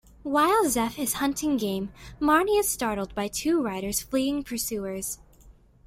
While Zeph is hunting game, Marnie is startled by two riders fleeing pursuers.